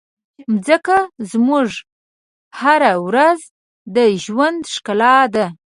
مځکه زموږ هره ورځ د ژوند ښکلا ده.